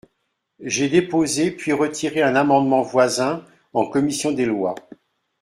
J’ai déposé puis retiré un amendement voisin en commission des lois.